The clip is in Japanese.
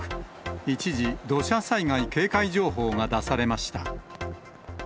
一時、土砂災害警戒情報が出されました。